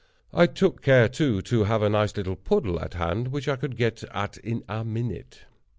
I took care, too, to have a nice little puddle at hand, which I could get at in a minute.